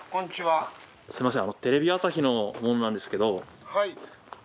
すみません。